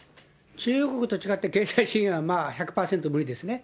中国と違って、経済支援は１００％無理ですね。